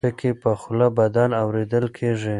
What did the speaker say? ټکي په خوله بدل اورېدل کېږي.